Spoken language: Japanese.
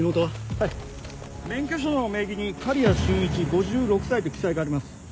はい免許証の名義に刈谷俊一５６歳と記載があります。